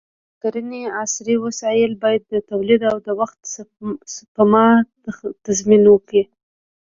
د کرنې عصري وسایل باید د تولید او د وخت سپما تضمین وکړي.